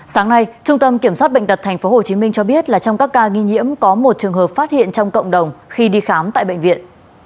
sáng nay trung tâm kiểm soát bệnh tật tp hcm cho biết là trong các ca nghi nhiễm có một trường hợp phát hiện trong cộng đồng khi đi khám tại bệnh viện